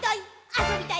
あそびたい！」